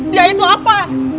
dia itu apa